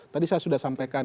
tadi saya sudah sampaikan